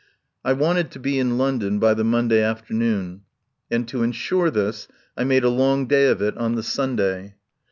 I wanted to be in London by the Monday afternoon, and to insure this I made a long day of it on the Sunday.